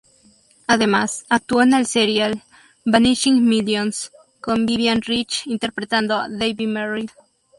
Además, actuó en el serial "Vanishing Millions", con Vivian Rich, interpretando a Dave Merrill.